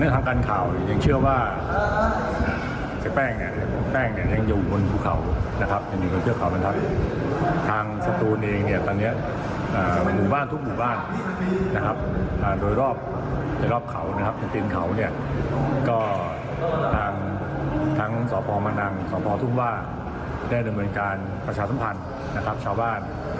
เพราะว่าได้หน่วยเหมือนการประชาสัมพันธ์นะครับชาวบ้าน